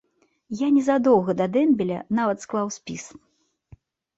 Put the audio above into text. Я незадоўга да дэмбеля нават склаў спіс.